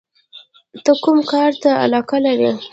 ته کوم کار ته علاقه لرې؟